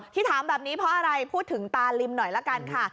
ถามแบบนี้เพราะอะไรพูดถึงตาลิมหน่อยละกันค่ะ